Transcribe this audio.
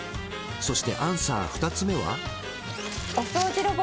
そしてアンサー２つ目は？